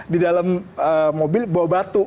di dalam mobil bawa batu